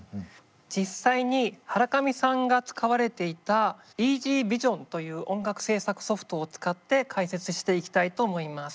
実際にハラカミさんが使われていたＥＺＶｉｓｉｏｎという音楽制作ソフトを使って解説していきたいと思います。